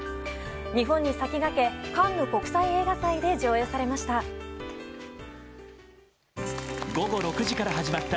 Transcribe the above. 日本に先駆けカンヌ国際映画祭で上映されました。